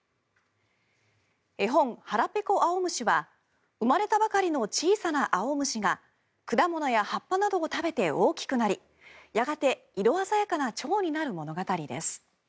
絵本「はらぺこあおむし」は生まれたばかりの小さなあおむしが果物や葉っぱなどを食べて大きくなりやがて色鮮やかなチョウになる物語です。